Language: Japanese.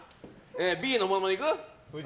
Ｂのモノマネいく？